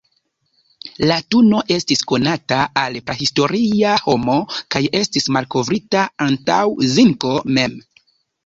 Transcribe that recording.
Latuno estis konata al prahistoria homo, kaj estis malkovrita antaŭ zinko mem.